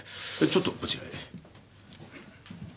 ちょっとこちらへ。